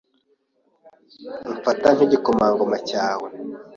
Umfata nk’igikomangoma cyawe